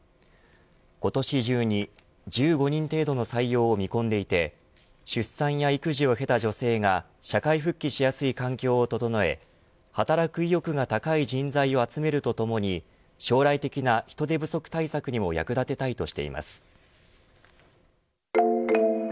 今年中に１５人程度の採用を見込んでいて出産や育児を経た女性が社会復帰しやすい環境を整え働く意欲が高い人材を集めるとともに将来的な人手不足対策にも役立てたいとしています。